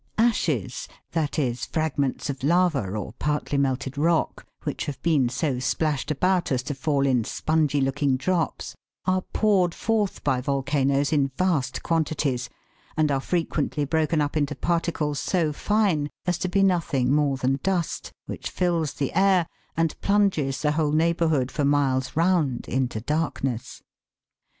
Ashes that is, fragments of lava or partly melted rock,, which have been so splashed about as to fall in spongy looking drops are poured forth by volcanoes in vast quan tities, and are frequently broken up into particles so fine as to be nothing more than dust, which fills the air, and plunges the whole neighbourhood for miles round into darkness.